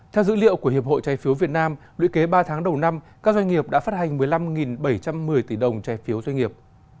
theo dữ liệu của hiệp hội trái phiếu việt nam lũy kế ba tháng đầu năm các doanh nghiệp đã phát hành một mươi năm bảy trăm một mươi tỷ đồng trái phiếu doanh nghiệp